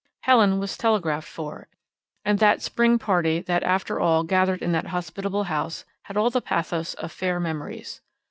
Helen was telegraphed for, and that spring party that after all gathered in that hospitable house had all the pathos of fair memories.